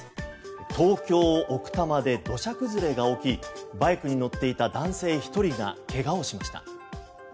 東京・奥多摩で土砂崩れが起きバイクに乗っていた男性１人が怪我をしました。